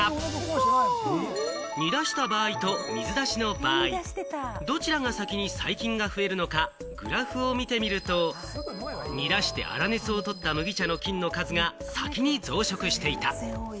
煮出した場合と水出しの場合、どちらが先に細菌が増えるのかグラフを見てみると、煮出して粗熱をとった麦茶の菌の数が先に増殖していた。